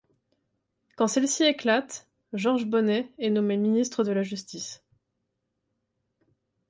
Quand celle-ci éclate, Georges Bonnet est nommé ministre de la Justice.